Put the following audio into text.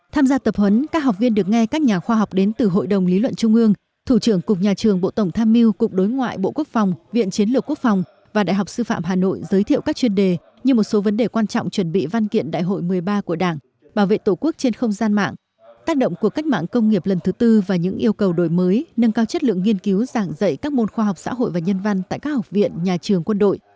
tham gia tập huấn các học viên được nghe các nhà khoa học đến từ hội đồng lý luận trung ương thủ trưởng cục nhà trường bộ tổng tham miu cục đối ngoại bộ quốc phòng viện chiến lược quốc phòng và đại học sư phạm hà nội giới thiệu các chuyên đề như một số vấn đề quan trọng chuẩn bị văn kiện đại hội một mươi ba của đảng bảo vệ tổ quốc trên không gian mạng tác động của cách mạng công nghiệp lần thứ tư và những yêu cầu đổi mới nâng cao chất lượng nghiên cứu giảng dạy các môn khoa học xã hội và nhân văn tại các học viện nhà trường quân đội